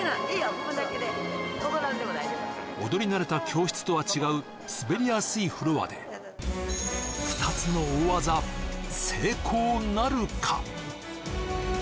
踏むだけで跳ばなくても大丈夫踊り慣れた教室とは違う滑りやすいフロアで２つの大技成功なるか？